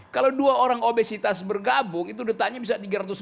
kalau dua orang obesitas bergabung itu detaknya bisa tiga ratus lima puluh